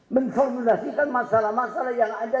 memformulasikan masalah masalah yang ada